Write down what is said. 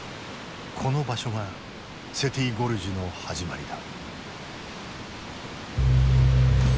この場所がセティ・ゴルジュの始まりだ。